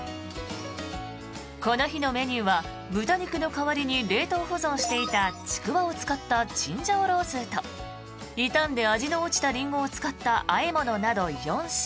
この日のメニューは豚肉の代わりに冷凍保存していたちくわを使ったチンジャオロースと傷んで味の落ちたリンゴを使ったあえ物など４品。